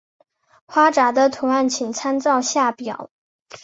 花札的图案请参照下表。